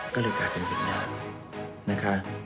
ก็เลยกลายเป็นเป็นหน้านะคะ